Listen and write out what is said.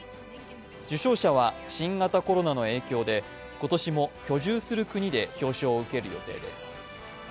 受賞者は新型コロナの影響で今年も居住する国で表彰を受ける予定です。